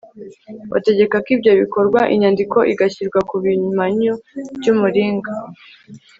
bategeka ko ibyo bikorerwa inyandiko igashyirwa ku bimanyu by'umuringa